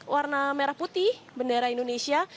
warna merah putih bendera indonesia